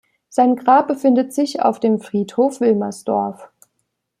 Sein Grab befindet sich auf dem Friedhof Wilmersdorf.